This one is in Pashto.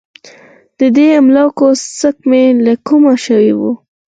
د دې املاکو ځمکې له کومه شوې وې.